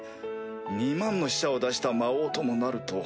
２万の死者を出した魔王ともなると。